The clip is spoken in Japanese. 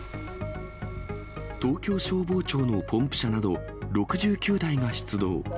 東京消防庁のポンプ車など、６９台が出動。